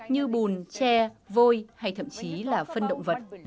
như bùn tre vôi hay thậm chí là phân động vật